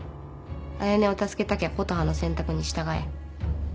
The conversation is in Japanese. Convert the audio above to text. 彩音を助けたきゃ琴葉の選択に従え。